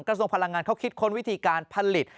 ทรงพลังงานเขาคิดค้นวิธีการผลิต